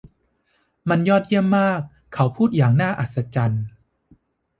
มันยอดเยี่ยมมากเขาพูดอย่างน่าอัศจรรย์